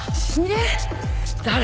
誰？